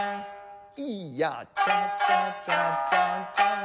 イヤチャチャチャチャチャン。